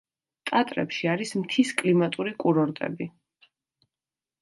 ტატრებში არის მთის კლიმატური კურორტები.